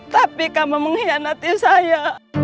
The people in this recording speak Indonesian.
tapi kamu mengkhianati saya